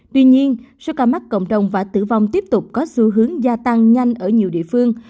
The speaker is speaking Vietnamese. tuy nhiên số ca mắc cộng đồng và tử vong tiếp tục có xu hướng gia tăng nhanh ở nhiều địa phương